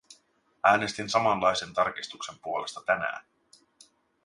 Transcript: Äänestin samanlaisen tarkistuksen puolesta tänään.